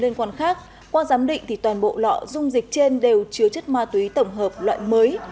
liên quan khác qua giám định thì toàn bộ lọ dung dịch trên đều chứa chất ma túy tổng hợp loại mới